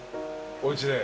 おうちで。